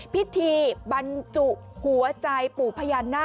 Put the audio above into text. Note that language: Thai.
พิธีบรรจุนะ